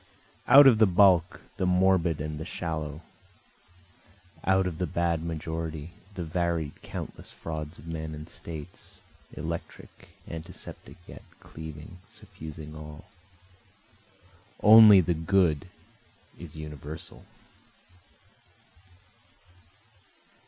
Out of the bulk, the morbid and the shallow, Out of the bad majority, the varied countless frauds of men and states, Electric, antiseptic yet, cleaving, suffusing all, Only the good is universal.